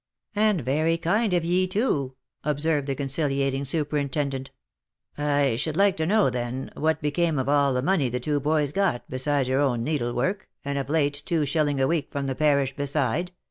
" And very kind of ye too," observed the conciliating superin tendent. " I should like to know, then, what became of all the money the two boys got, besides her own needlework, and, of late, two shilling a week from the parish, beside?"